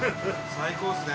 最高っすね